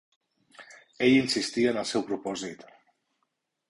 Ell insistia en el seu propòsit.